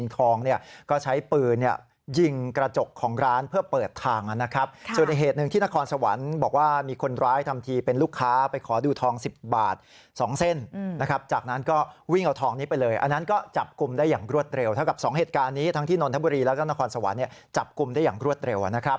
กองเนี่ยก็ใช้ปืนเนี่ยยิงกระจกของร้านเพื่อเปิดทางอ่ะนะครับจนในเหตุหนึ่งที่นครสวรรค์บอกว่ามีคนร้ายทำทีเป็นลูกค้าไปขอดูทองสิบบาทสองเส้นอืมนะครับจากนั้นก็วิ่งเอาทองนี้ไปเลยอันนั้นก็จับกลุ่มได้อย่างรวดเร็วเท่ากับสองเหตุการณ์นี้ทั้งที่นนทบุรีแล้วก็นครสวรรค์เนี่ยจับกลุ่มได้อย่างรวดเร